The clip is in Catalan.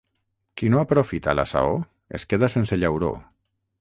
Qui no aprofita la saó es queda sense llauró.